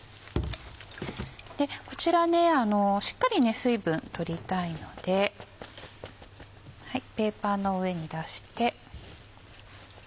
こちらしっかり水分取りたいのでペーパーの上に出して。